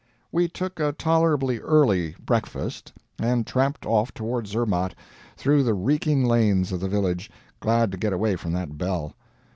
We took a tolerably early breakfast, and tramped off toward Zermatt through the reeking lanes of the village, glad to get away from that bell.